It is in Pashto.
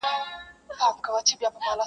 o يوه ورځ يو ځوان د کلي له وتلو فکر کوي,